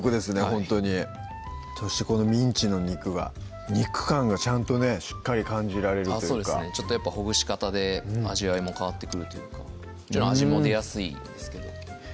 ほんとにそしてこのミンチの肉が肉感がちゃんとねしっかり感じられるというかちょっとやっぱほぐし方で味わいも変わってくるというか味も出やすいんですけど